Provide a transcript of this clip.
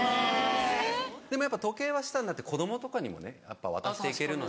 でもやっぱ時計は子供とかにも渡していけるので。